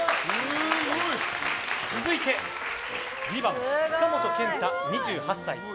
続いて２番、塚本健太、２８歳。